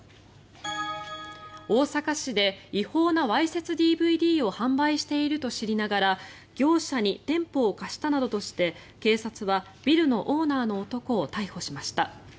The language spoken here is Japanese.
大阪市で違法なわいせつＤＶＤを販売していると知りながら業者に店舗を貸したなどとして警察はビルのオーナーの男を逮捕しました。